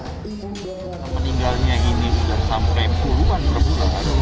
peninggalnya ini sudah sampai puluhan per bulan